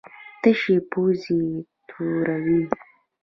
تشې پوزې توروي.